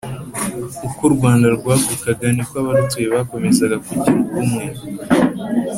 Uko u Rwanda rwagukaga niko abarutuye bakomezaga kugira ubumwe